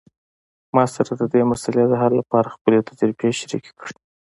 ما سره د دې مسئلې د حل لپاره خپلې تجربې شریکي کړئ